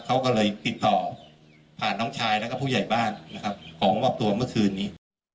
เขาก็เลยติดต่อผ่านน้องชายแล้วก็ผู้ใหญ่บ้านนะครับขอมอบตัวเมื่อคืนนี้